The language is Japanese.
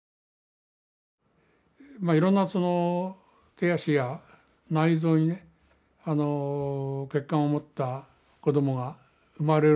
いろんなその手足や内臓にね欠陥を持った子供が生まれるわけですよ。